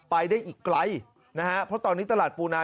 ไปได้อีกไกลนะฮะเพราะตอนนี้ตลาดปูนา